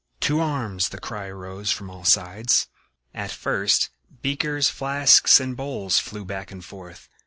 "To arms!" the cry arose from all sides. At first beakers, flasks and bowls flew back and forth.